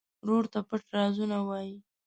ورور ته پټ رازونه وایې.